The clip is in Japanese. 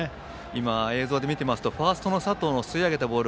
映像で見ていますとファーストの佐藤のすくい上げたボール